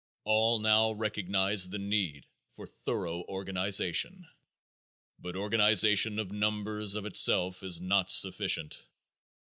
All now recognize the need for thorough organization. But organization of numbers of itself is not sufficient.